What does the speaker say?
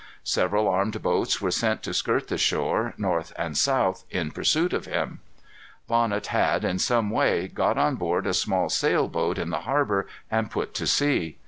Several armed boats were sent to skirt the shore, north and south, in pursuit of him. Bonnet had, in some way, got on board a small sail boat in the harbor, and put to sea.